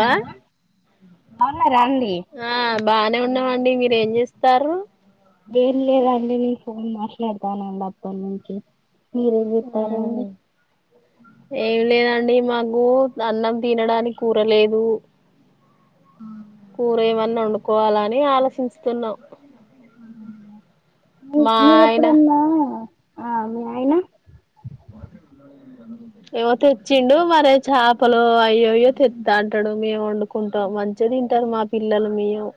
Hello బావున్నారా అండి ఆ బానే ఉన్నామండీ మీరూ ఏం చేస్తారు. ఏం లేదండి నేను ఫోన్ మాట్లాడతానండి అప్పటి నుంచి మీరేం చెతారండీ ఏం లేదండి మాకు అన్నం తినడానికి కూర లేదు కూరేమన్నా వండుకోవాల అని ఆలోచిస్తున్నాం ఉమ్ మా నువ్వ ఆయన ఎప్పుడన్నా ఆ మీ ఆయన [inaudible] ఎవరితు ఇంచ్చిండు మరి చేపలు అయ్యో అయ్యో తెస్తా అంటాడు మేము వండుకుంటాం మంచిగా తింటారు మాక్క పిల్లలు మేము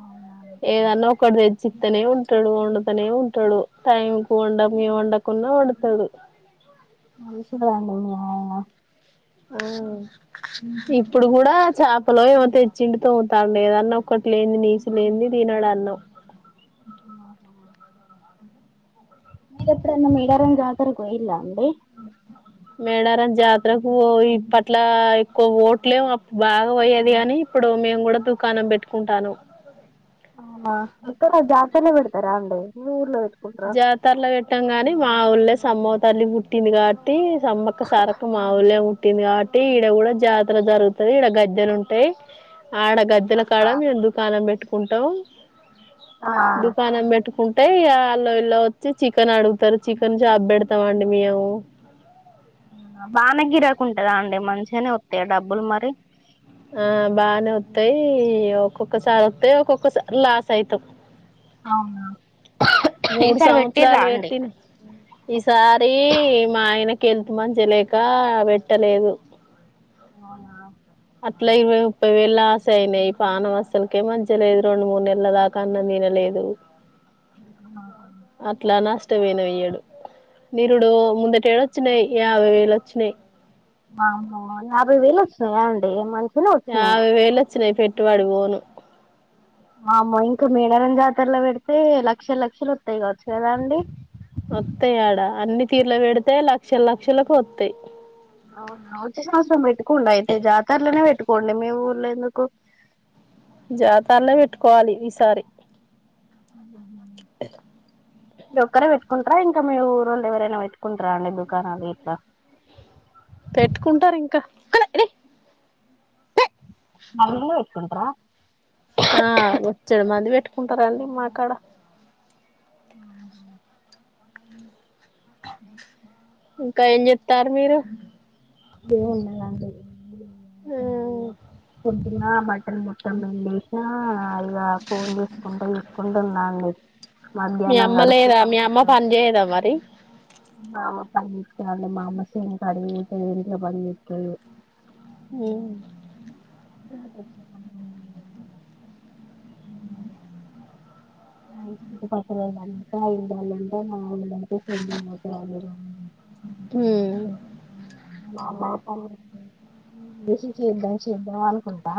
అవునా ఏదన్నా ఒకటి తెచ్చి చెపుత్తనే ఉంటాడు వండతనే ఉంటాడు టైం కు వండమ వండకుంనా వండుతాడు మంచివారండి మీ ఆయన ఉమ్ ఇప్పుడు కూడా చేపలో ఏమో తెచ్చిండి తోముతున్నాడు ఏదన్నా ఒక్కటి లేనిది నీస్ లేంది తినడు అన్నాం ఆహా ఎప్పుడైనా మెడారం జాతరకు కి పోయిండా అండి మేడారం జాతరకు ఇప్పట్లా ఎక్కువ పోవట్లే అప్పుడు బాగా పోయేది కాని ఇప్పుడు మేము కూడా దుకాణం పెట్టుకుంటానం ఆ అక్కడ జాతరలో పెడుతారా అంటే మీ ఊర్లో పె జాతరలో పెట్టాం గానే మా ఊళ్ళ సమ్మవతల్లి పుట్టింది కాబట్టి సంమ్మక్క సారక్క మా ఊళ్ళ ఉం పుట్టింది కాబట్టి ఈడ కూడా జాతర జరుగుతుంది ఇడ గజ్దలు ఉంటాయి ఆడ గజ్జల కాడ మేం దుకాణం పెట్టుకుంటాం ఆ దుకాణం పెట్టుకుం అంటే ఇ అలో ఇల్లో వచ్చి చికెన్ అడుగుతారు చికెన్ షాప్ పెడతామండి మియౌ బానే గిరాకు ఉంటదా అండి మంచిగనే వత్తయ డబ్బులు మరి ఆ బానే వత్తయ్ ఒక్కొక్కసారి వత్తయ్ ఒక్కొక్కసారి లాస్ అయితాం అవునా మూడు ఈసారి పెట్టిర్రా సంవత్సరాలు అండి పెట్టిన ఈ సారి మా ఆయనకి హెల్త్ మంచి లేకా పెట్టలేదు అవున అట్లా ఇరవై ముప్పై వేళ్ లాస్ అయినయ్ పానం అస్సలుకే మంచిగ లేదు రెండు మూడు నెలదా అన్నం తినలేదు ఆ అట్లా నష్టమైన వెయ్యడు నిరుడు ముందట ఏడ వచ్చినయ్ యాభై వేలు వచ్చినయ్ అవును ఆ యాభై వేలు వచ్చినయా అండి మంచి యాభై వేలు వచ్చినాయి పెట్టుబడి పోను మాము ఇంకా మేడారం జాతరలో పెడితే లక్షల లక్షలు వత్తయి కావచ్చు కదా అండి వత్తయి ఆడా అన్ని తీర్లు పెడితే లక్షల లక్షలకు వత్తై అవునా వచ్చే సంవత్సరం పెట్టుకోండి అయితే జాతరలోనే పెట్టుకోండి మీ ఊర్ల ఎందుకు జాతల్లో పెట్టుకోవాలి ఈసారి [inaudible] మీరు ఒక్కరే పెట్టుకుంటరా ఇంకా మీ ఊరోళ్ళు ఎవరైనా వెట్టుకుంటరా అండి దుకాణాలు ఇంకా పెట్టుకుంటారు ఇంక అంరు పెటుకుంటారా ఆ బొచ్చడు మంది పెట్టుకుంటారండి మాకాడ ఇంకా ఏం జెప్తారు మీరు ఏం ఉన్నారా మ్మ్ పొద్దున బట్టల్ మొత్తం పిండి ఎస్నా ఇగ ఫోన్ చేసుకుంటూ వసుకుంటూ ఉన్నా అండి మధ్యాహ్నం కడుక్కున్న ఏద మరి మామా పని అ మామ సంకాడతే ఎరిక పడితే ఓ ఉ చుట్టూపక్క అందాలంట నాళ్ [unintelligible] ఉ చెదాం సేద్దాం అనుకున్నా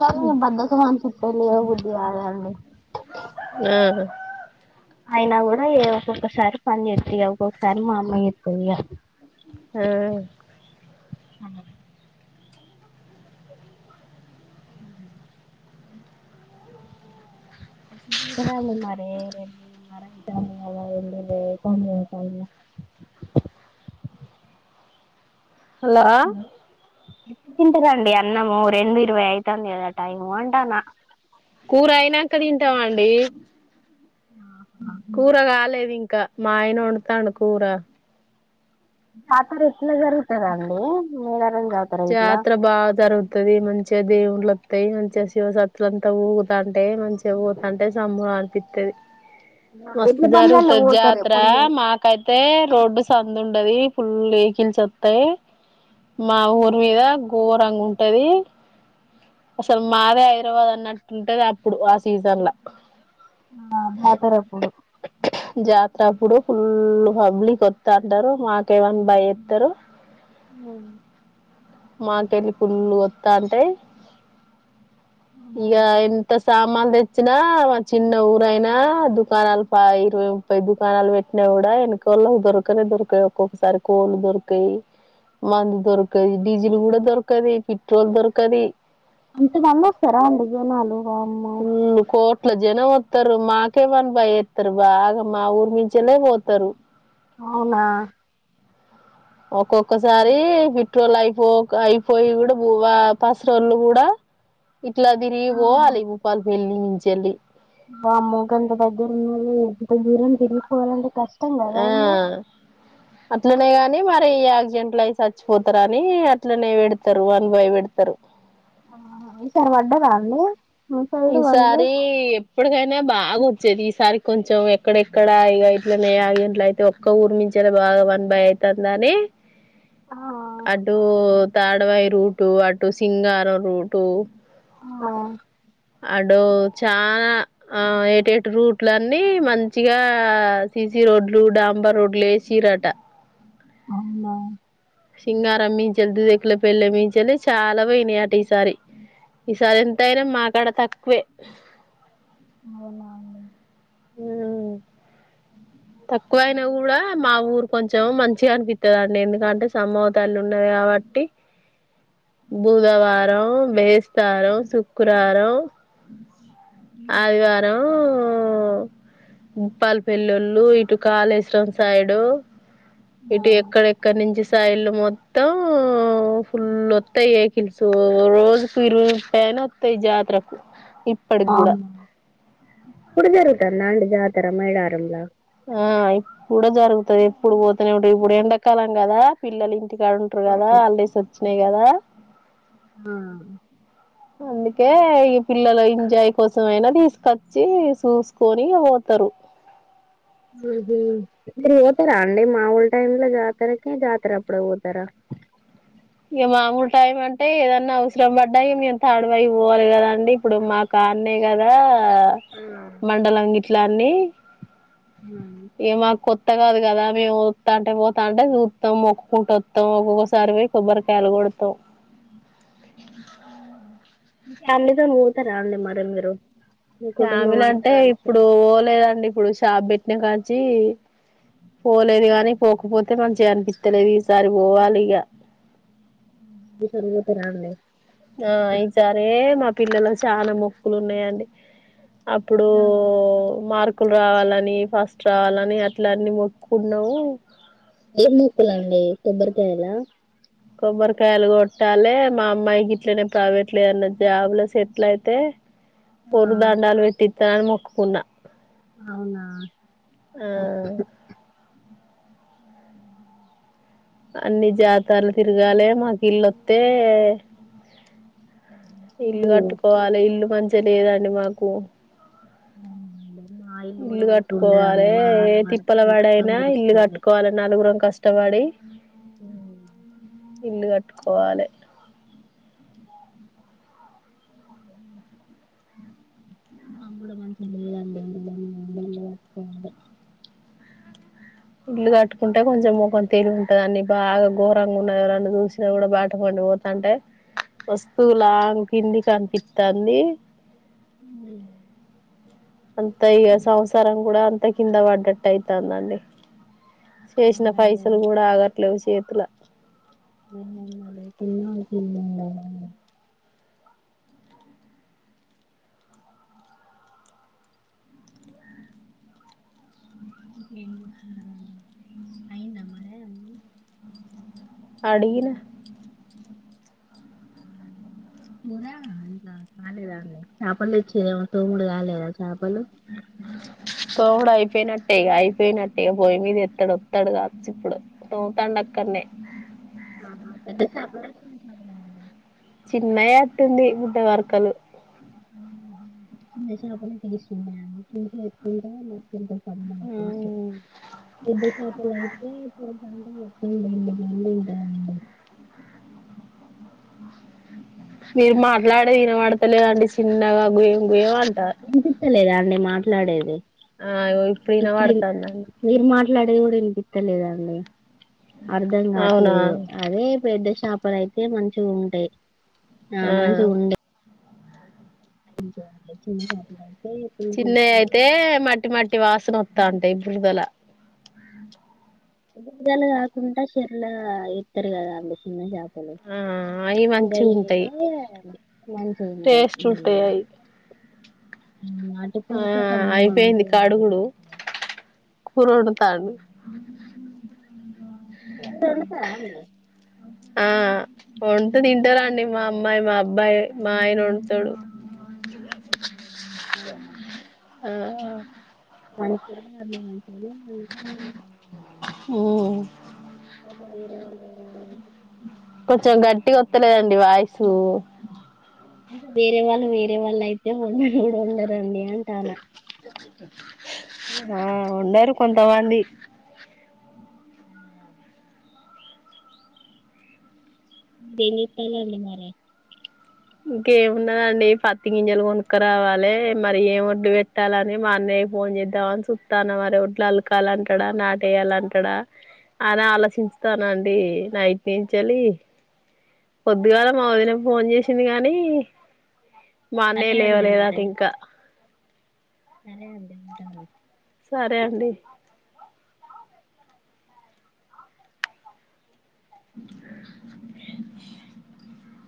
కానీ బద్ధకం అనిపిత్తాంది [unintelligible] ఆ అయినా కూడా ఏ ఒక్కొక్కసారి పని చెతుయ ఒక్కొక్కసారి మా అమయ్య ఎత్తదిగా ఆ అవు మరే మర వె [unintelligible] హలో తింటారండి అన్నము రెండు ఇరవై అఐతాంది కదా టైము అంటానా కూర అయినాంక తింటాం అండి కూర కాలేదు ఇంకా మా ఆయన వండుతాండు కూర తాతరేట్ల జరుగుతది జరుగుతరండి మేనారంజాత్ జాతర బా జరు తది మంచిగా దేవుళ్ళలు అత్తయి మంచిగా శివసతులు అంతా ఊగుతాంటే మంచిగా ఊతంటే సమ్ము పితది హా మస్తు జరుగుతది జాతర మాత్ కైతే రోడ్డు సందు ఉండది ఫుల్ వేకిల్స్ వస్తయి మా ఊర్ మీద గోరంగుంటది అసలు మాదే హైదరాబాదన్నట్టుంటది అప్పుడు ఆ సీజన్ల ఆ జాతరప్పుడు జాతర అప్పుడు ఫుల్ పబ్లిక్ వస్త అంటారు మాకేమన్నా భయ ఎస్తారు ఉమ్ మాకెళ్ళి పుల్లు వత్తా అంటే ఇక ఎంత సాప్ మ్మలు తెచ్చినా మా చిన్న ఊరయినా దుకాణాలు ఇరవై ముప్పై దుకాణాలు పెట్టినా కూడా వెనక కొలకు దొరకనే దొరకయోక్కొక్కసారి కోల్ దొరకయి మందు దొరక కల్ డీజల్ కూడా దొరకది పెట్రోల్ దొరకది అంత మందోస్తారండీ జనాలు అమ్మ ఉమ్ కోట్ల జనం వస్తారు మాకేమని భయ వస్తారు బాగా మా ఊరు మించలే పోతరు అవునా ఒక్కొక్కసారి పైట్రోలుయిపో అయిపోయి కూడా పసరోళ్ళు కూడా ఇట్లా తిరిగి పోవాలి భూపాల్పేల్లి నించల్లి వెళ్ళలి వామ్మో గంత దగ్గర వున్నది ఇంత దూరం తిరిగిపోవాలంటే కష్టం కదా ఆ అండి అట్లనే గాని మరి యాక్సిడెంట్లు అయి సచ్చిపోతారు అని అట్లనే పెడతారు అనుభావి పెడతరు ఇసర్వాడా దండి ఈ సారి ఇప్పటికైనా బాగోచ్చేది ఈసారికి కొంచెం ఎక్కడెక్కడా ఇగ ఇట్లనే ఆ ఇట్ల అయితే ఒక క ఊర్మించలి బాగా వన్ బై అయితుందిని అటుూ తాడవాయి రూటు అటు సింగారం రూటు ఆ అడు చానా ఆ ఏటేటి రూట్ల అన్ని మంచిగా సిసి రోడ్లు డాంబా రోడ్లు ఏసిరట అవునా సింగారం మించాలు దుదకుల పెళ్ మించలి చాలా పోయినాయాట ఈసారి ఈ సారి ఎంతయినా మకాడ తక్కువే అవునా అండి ఉమ్ తక్కువయినా కూడా మా ఊరు కొంచెం మంచిగా అనిపిస్తుందిండి ఎందుకంటే సమ్మవ్వ తల్లి ఉన్నది కాబట్టి బుధవారం బెస్తారం శుక్రవారం ఆదివారం బోప్పాలపల్లిళ్ళు ఇటు కాళేశ్వరం సైడు ఆ ఇటు ఎక్కడెక్కడి నుంచి సైళ్ళ మొత్తం ఫుల్లోత్తాయి కిల్సు రోజుకు ఇరువై ముప్పై ఆయన వస్తయి జాతరకు ఇప్పటికి ఆ కూడా ఎప్పుడు జరుగుతందా అండి జాతర మేడారంల ఆ ఇప్పుడ జరుగుతాయి ఎప్పుడు పోతునే ఉంటాది ఇప్పుడు ఎండాకాలం కదా పిల్లలు ఇంటికాడ ఉంటారు కదా హాలిడేస్ వచ్చినాయి కదా ఆ అందుకే ఈ పిల్లల ఎంజాయ్ కోసమైనా తీసుకొచ్చి చూసుకొని పోతారు ఏంటి మీరు పోతారా అండి మామూల టైంలో జాతరకే జాతర అప్పుడే పోతారా ఇగ మామూలు టైం అంటే ఏదన్నా అవసరం పడ్డాయి మేము థర్డ్ వైఫ్ పోవాలి కదండీ ఇప్పుడు మా కానే కదా ఉ ఆ మండలం గిట్లన్నీ ఉనండి ఏ మాకు కొత్త కాదు కదా మేము వస్తానంటే అంటే పోతా అంటే చూస్తాం మొక్కుంటూ వస్తాం ఒక్కొక్కసారి పోయి కొబ్బరికాయలు కొడుతూ ఫ్యామిలీతోనే పోతారా అండి మరి మీరు మీ కుటుంబం ఫ్యామిలీ అంతా అంటే కలిసి ఇప్పుడు పోలేదండి ఇప్పుడు షాప్ పెట్టినాను కాంచి పోలేదు కానీ పోకపోతే మంచిగా అనిపిస్తలేదు ఈసారి పోవాలి ఇగ మిషన్ కుట్టరా అండి ఆ ఈ సరే మా పిల్లల్ల చాలా మొక్కలు ఉన్నాయండి అప్పుడో మార్ స్కుల్ రావాలని ఫస్ట్ రావాలని అట్ల అన్నీ మొక్కుకున్నాం ఏం ముక్కులండి కొబ్బరికాయల కొబ్బరికాయలు కొట్టాలి మా అమ్మాయికి ఇట్లనే ప్రైవేట్ లో ఏదన్నా జాబ్ లో సెట్లయితే ఆ పొర్లు దండాలు పెట్టిస్తా అని మొక్కుకున్నా అవునా ఆ అన్ని జాతర్లు తిరగాలే నాకు ఇల్లు వస్తే ఇల్లు కట్టుకోవాలి ఇల్లు మంచిగా లేదండి మాకు అవునండి మా కూడా ఇల్లు మంచిగా కట్టుకోవాలి ఉండదండి వాన ఏ పడితే తిప్పలు మొత్తం పడైనా అయిన ఇల్లు కురుస్తది కట్టుకోవాలి నలుగురం కష్టపడి ఉ ఇల్లు కట్టుకోవాలి మాక్కూడా మంచిగా లేదండి మేము బెండ కట్టుకోవాలి ఇల్లు కట్టుకుంటే కొంచెం ముఖం తిరు ఉంటంది అన్ని బాగా ఘోరంగా ఉన్నదిరా ఎవరన్న చూసినా కూడా బాట పోత అంటే వస్తువు లాంగ్ కిందకి అనిపిస్తోంది ఉ అంత ఇక సంసారం కూడా అంత కింద పడ్డట్టు అయితాందండి చేసిన అవునండి పైసలు కూడా ఆగట్లేదు చేతుల మడి తిన్నకి మఆ [inaudible] ఏం చేస్తున్నారు అందరూ అయిందా మరి అండి అడిగిన ఉ కూర కాలేదా అండి చేపలు తేచ్చేదేమో తోముకూడదా కాలేదా చేపలు [inaudible] కోముడు అయిపోయినట్టే ఇక అయిపోయినట్టే ఇక పోయి మీద వస్తాడు వస్తాడు కాచ్చు ఇప్పుడు తోగుతాంది అక్కడనే ఆహా పెద్ద చేపల చిన్న చాపలా అండి చిన్నయే అట్టుంది బుడ్డ వర్కలు ఉహు చిన్న చేపలె తీసుకున్నయండి, చిన్న చేపలు గుడ తింటె కమ్మగా టెస్టు, పెద్ద చేపలయితే ఇప్పుడు ర ఒప్పం [unintelligible] వేడి వేడి ఉంటయండి మీరు మాట్లాడేది ఇనబడతలేదండి చిన్నగా గుయ్ గుయ్ అంటా వినిపిస్తలేదా అండి మాట్లాడేది? ఆ ఇగో ఇప్పుడు వినపడుతాంది మీరు మాట్లాడేది గుడ వినిపిత్త లేదండీ. అర్ధం అవునా కాట్లేదు, అది పెద్ద చేపలు అయితే మంచిగ ఉంటయి. ఆ మంచిగ ఉండ అంతే అండి చిన్న చాపలు చిన్నయి అయితే మట్టి మట్టి వాసన వఅత్తాంటయి బిడుదల బన కాకుండా చర్ల ఇత్తరు కదా అండి చిన్న చేప ఆ అయి గలీజ్ మంచిగుంటాయి అయితే మంచిగ ఉంటయి టేస్ట్ ఉమ్, ఉంటాయి అయి ఉమ్ ఆ పులుసే కమ్మగా అయిపోయింది ఉంటదండి కడుగుడు, మీకు కోరొండుతాండు తెలుసా అండి ఆ వండుతే తింటారండి మా అమ్మాయి, మా అబ్బాయి, మా ఆయన వండుతడు. అవునా? ఆ మన కురిమి [unintelligible] చేసిందేమి లేదు ఆ [unintelligible] కొంచం గట్టిగ వత్తలేదండి వాయిసు ఇంక వేరే వాళ్ళు వేరే వండను గుడ వండరండి అంటానా ఆ ఉన్నారు కొంతమంది. దీని పెళ్లలు మారయి ఇంకేమున్నదండి పత్తి గింజలు కొనుక్కరావాలె మరి ఏం ఒడ్డు పెట్ టాలని మా అన్నయ్య ఫోన్ చేద్దాం అని సూత్తాన్న మరి ఒట్లా అలకాలంటడా, నాటేయాలింటడా అల ఆలోచించుతానండి నైట్ నుంచెలి పొద్దుగాల మా వదినకి ఫోన్ చేసింది గనీ, మా అన్నయ సరే అండి లేవలేదట ఇంకా అరే అదే అంట సరే అండి ష